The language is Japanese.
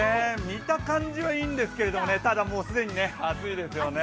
見た感じはいいんですけどただ、既に暑いですよね。